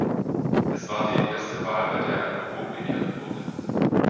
Es war die erste Wahl, bei der ein Duo geehrt wurde.